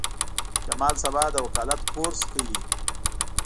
جمال سبا د وکالت کورس کوي.